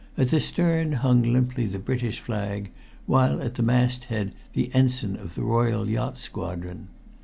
At the stern hung limply the British flag, while at the masthead the ensign of the Royal Yacht Squadron.